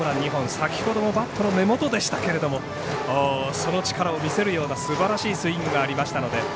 先ほどもバットの根元でしたけれどもその力を見せるようなすばらしいスイングがありましたので。